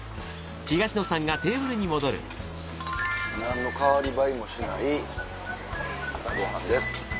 何の代わり映えもしない朝ご飯です。